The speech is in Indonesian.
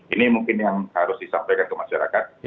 ini mungkin yang harus disampaikan ke masyarakat